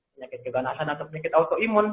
penyakit keganasan atau penyakit autoimun